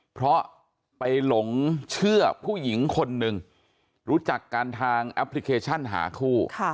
เพราะไปหลงเชื่อผู้หญิงคนหนึ่งรู้จักกันทางแอปพลิเคชันหาคู่